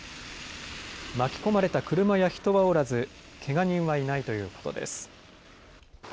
巻き込まれた車や人はおらずけが人はいないということです。